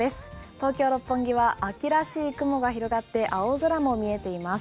東京・六本木は秋らしい雲が広がって青空も見えています。